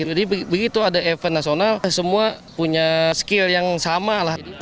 jadi begitu ada event nasional semua punya skill yang sama